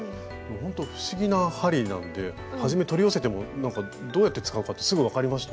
ほんと不思議な針なんではじめ取り寄せてもなんかどうやって使うかってすぐ分かりました？